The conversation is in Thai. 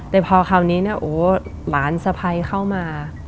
แต่พอคราวนี้เนี่ยโอ้หลานสะพัยเข้ามา